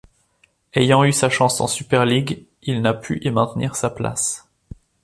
Ayant eu sa chance en Super League, il n'a pu y maintenir sa place.